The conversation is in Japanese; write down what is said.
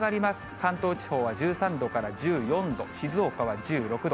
関東地方は１３度から１４度、静岡は１６度。